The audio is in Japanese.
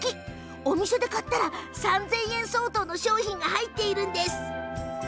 お店で買ったら３０００円相当の商品が入っているんです。